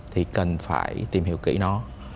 thì cần phải tìm hiểu kỹ nó